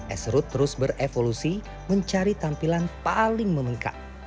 esrut terus berevolusi mencari tampilan paling membengkak